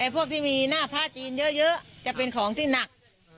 พวกที่มีหน้าพระจีนเยอะจะเป็นของที่หนัก